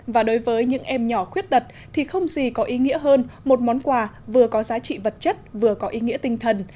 và đối với những em nhỏ khuyết tật thì không gì có ý nghĩa hơn một món quà vừa có giá trị vật chất vừa có ý nghĩa tinh thần